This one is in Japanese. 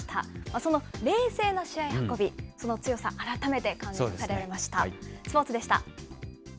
その冷静な試合運び、その強さ、改めて感じさせる試合でした。